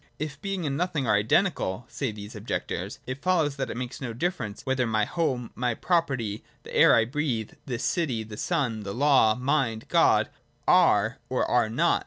If Being and Nought are identical, say these objec tors, it follows that it makes no difference whether my home, my property, the air I breathe, this city, the sun, the law, mind, God, are or are not.